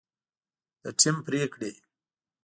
د ټیم پرېکړې